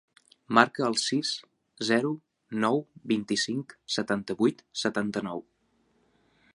Marca el sis, zero, nou, vint-i-cinc, setanta-vuit, setanta-nou.